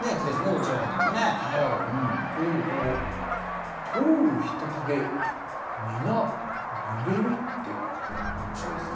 これこの「通る人影みな濡れる」っていうのが面白いですね。